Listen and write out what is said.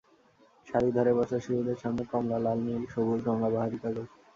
সারি ধরে বসা শিশুদের সামনে কমলা, লাল, নীল, সবুজ রঙা বাহারি কাগজ।